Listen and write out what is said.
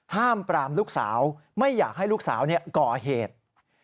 ห้ามปรามลูกสาวไม่อยากให้ลูกสาวก่อเหตุ